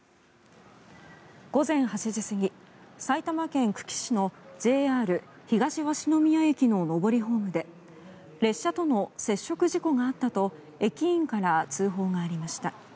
午前８時過ぎ、埼玉県久喜市のＪＲ東鷲宮駅の上りホームで列車との接触事故があったと駅員から通報がありました。